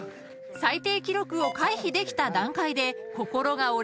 ［最低記録を回避できた段階で心が折れる可能性が］